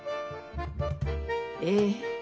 ええ。